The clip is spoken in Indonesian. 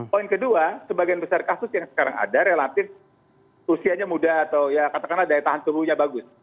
poin kedua sebagian besar kasus yang sekarang ada relatif usianya muda atau ya katakanlah daya tahan tubuhnya bagus